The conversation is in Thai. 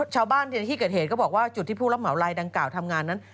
ในที่เกิดเหตุก็บอกว่าจุดที่ผู้รับเหมาลายดังกล่าวทำงานนั้น